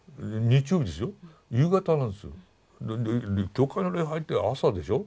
教会の礼拝って朝でしょ。